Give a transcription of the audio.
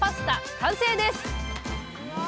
完成です！